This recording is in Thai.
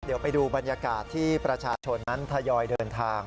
เดี๋ยวไปดูบรรยากาศที่ประชาชนนั้นทยอยเดินทาง